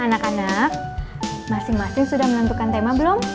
anak anak masing masing sudah menentukan tema belum